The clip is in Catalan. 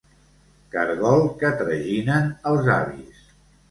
Cargol que traginen els avis.